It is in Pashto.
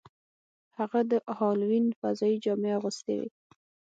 هغه د هالووین فضايي جامې اغوستې وې